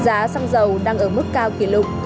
giá xăng dầu đang ở mức cao kỷ lục